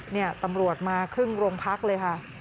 นี่ตำรวจมาครึ่งโรงพักเลยค่ะ